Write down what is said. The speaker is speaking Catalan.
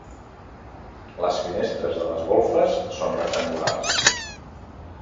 Les finestres de les golfes són rectangulars.